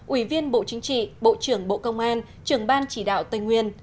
ủy viên bộ chính trị bộ trưởng bộ công an trưởng ban chỉ đạo tây nguyên